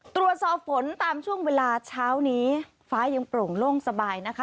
ตรวจสอบฝนตามช่วงเวลาเช้านี้ฟ้ายังโปร่งโล่งสบายนะคะ